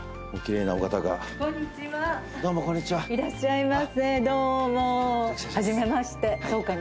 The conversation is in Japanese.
いらっしゃいませどうも。